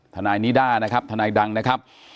ทนายนิด้านะครับทนายดังนะครับ